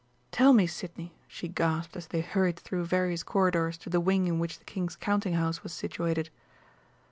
"Tell me, Sidney," she gasped, as they hurried through various corridors to the wing in which the King's Counting house was situated.